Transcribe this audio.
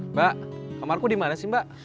mbak kamarku dimana sih mbak